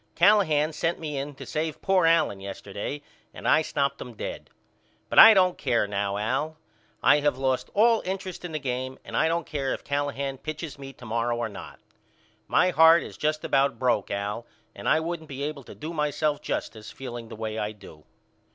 Callahan sent me in to save poor Allen yesterday and I stopped them dead. But I don't care now Al. I have lost all interest in the game and I don't care if Callahan pitches me to morrow or not. My heart is just about broke Al and I wouldn't be able to do myself justice feeling the way I do.